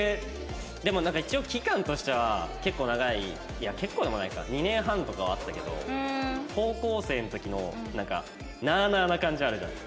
でもなんか一応期間としては結構長いいや結構でもないか２年半とかはあったけど高校生の時のなんかなあなあな感じあるじゃん？